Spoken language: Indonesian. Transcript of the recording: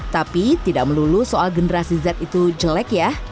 tapi tidak melulu soal generasi z itu jelek ya